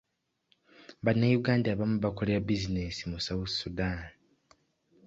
Bannayuganda abamu bakolera bizinensi mu south sudan.